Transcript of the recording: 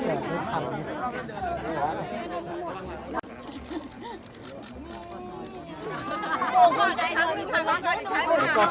หนึ่งสองสามครับขอบคุณมากครับ